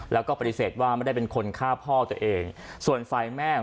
แล้วก็ปฏิเสธว่าไม่ได้เป็นคนฆ่าพ่อตัวเองส่วนฝ่ายแม่ของ